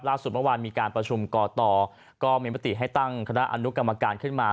เมื่อวานมีการประชุมก่อต่อก็มีมติให้ตั้งคณะอนุกรรมการขึ้นมา